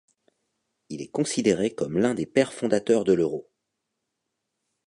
Il est considéré comme l'un des pères fondateurs de l'euro.